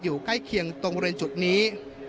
ร้อยอยู่ใกล้เคียงตรงเวนจุดนี้